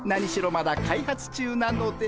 まだ開発中なので。